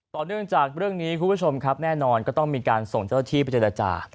ต่อเนื่องจากเรื่องนี้คุณผู้ชมครับแน่นอนก็ต้องมีการส่งเจ้าที่ไปเจรจา